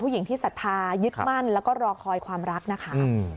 ผู้หญิงที่ศรัทธายึดมั่นแล้วก็รอคอยความรักนะคะ